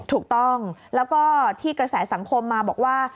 ถูกต้องแล้วก็ที่กระแสสังคมมาบอกว่า